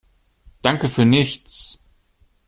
Danke für nichts!